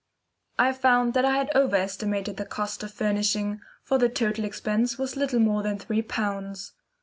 I found that I had over estimated the cost of furnishing, for the total expense was little more than three pounds.